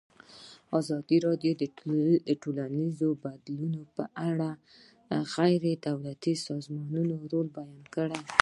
ازادي راډیو د ټولنیز بدلون په اړه د غیر دولتي سازمانونو رول بیان کړی.